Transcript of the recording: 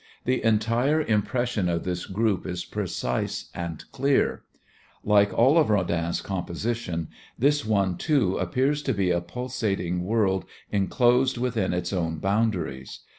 The entire impression of this group is precise and clear. Like all of Rodin's compositions, this one, too, appears to be a pulsating world enclosed within its own boundaries.